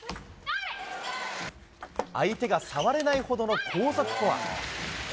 相手が触れないほどの高速フォア。